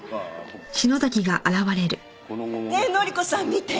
ねえ乃里子さん見て！